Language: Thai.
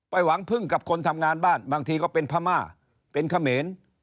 หวังพึ่งกับคนทำงานบ้านบางทีก็เป็นพม่าเป็นเขมร